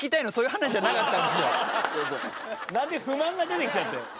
なんで不満が出てきちゃって。